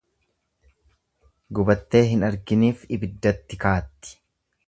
Gubattee hin arginif ibiddatti kaatti.